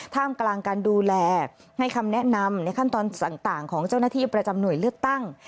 ท่ามกลางการดูแลให้คำแนะนำในขั้นตอนต่างของเจ้าหน้าที่ประจำหน่วยเลือกตั้ง